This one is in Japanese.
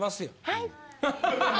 はい。